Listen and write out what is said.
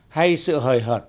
hay sự hời hợt